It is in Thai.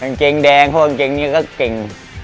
อังเกงแดงเพราะอังเกงนี้ก็เก่ง